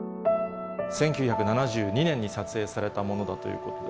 １９７２年に撮影されたものだということで。